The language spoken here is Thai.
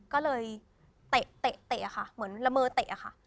ก็เลยเตะเตะเตะอะค่ะเหมือนละเมอเตะอะค่ะ